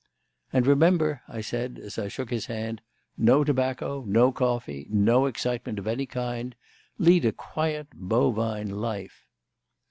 "And remember," I said as I shook his hand, "no tobacco, no coffee, no excitement of any kind. Lead a quiet, bovine life."